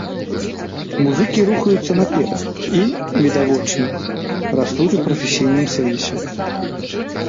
Музыкі рухаюцца наперад і, відавочна, растуць у прафесійным сэнсе.